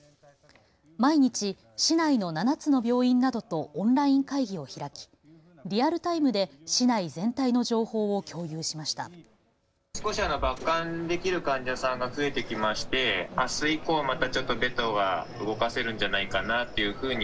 毎日、市内の７つの病院などとオンライン会議を開きリアルタイムで市内全体の情報を共有しました。